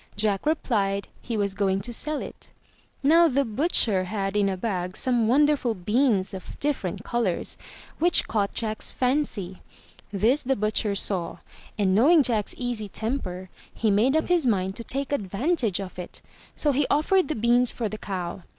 Jack replied he was going to sell it. Now the butcher had in a bag some wonderful beans of different colours, which caught Jack's fancy. This the butcher saw, and knowing Jack's easy temper, he made up his mind to take advantage of it, so he offered the beans for the cow.